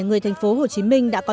nghĩa là giúp đỡ sự yên tĩnh